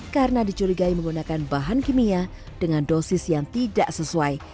karena dicurigai menggunakan bahan kimia dengan dosis yang tidak sesuai